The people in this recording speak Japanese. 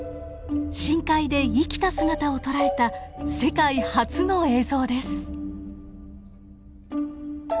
深海で生きた姿を捉えた世界初の映像です。